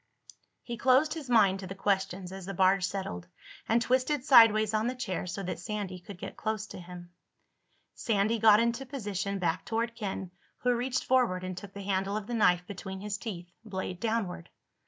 He closed his mind to the questions as the barge settled, and twisted sideways on the chair so that Sandy could get close to him. Sandy got into position, back toward Ken, who reached forward and took the handle of the knife between his teeth, blade downward.